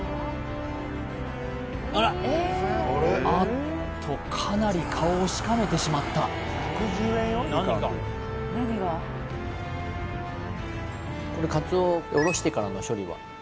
あっとかなり顔をしかめてしまったこれカツオおろしてからの処理は？